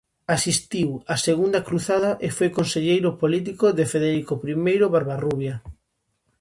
Asistiu á segunda cruzada e foi conselleiro político de Federico Primeiro Barbarrubia.